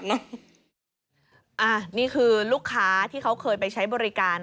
นี่คือลูกค้าที่เขาเคยไปใช้บริการ